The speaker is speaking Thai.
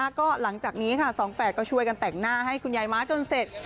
ก็หลังจากนี้ค่ะสองแฝดก็ช่วยกันแต่งหน้าให้คุณยายม้าจนเสร็จ